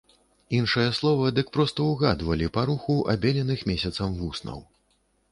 Іншае слова дык проста ўгадвалі па руху абеленых месяцам вуснаў.